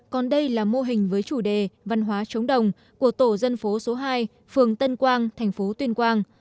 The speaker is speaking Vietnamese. còn đây là mô hình với chủ đề văn hóa trống đồng của tổ dân phố số hai phường tân quang thành phố tuyên quang